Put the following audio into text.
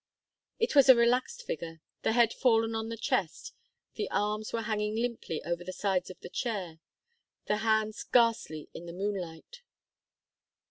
It was a relaxed figure, the head fallen on the chest; the arms were hanging limply over the sides of the chair, the hands ghastly in the moonlight.